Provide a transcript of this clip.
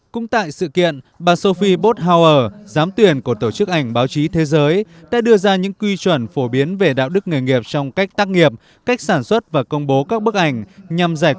cũng tại sự kiện bà sophie bothauer giám tuyển của tổ chức ảnh báo chí thế giới đã đưa ra những quy chuẩn phổ biến về đạo đức nghề nghiệp trong cách tác nghiệp cách sản xuất và công bố các bức ảnh